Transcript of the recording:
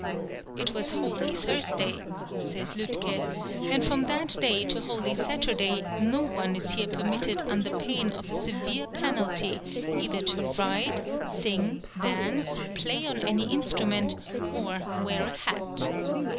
"It was Holy Thursday," says Lütke, "and from that day to Holy Saturday no one is here permitted under pain of a severe penalty either to ride, sing, dance, play on any instrument, or wear a hat.